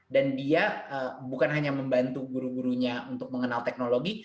dan dia bukan hanya membantu guru gurunya untuk mengenal teknologi